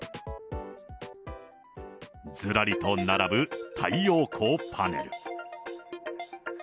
ずらりと並ぶ太陽光パネル。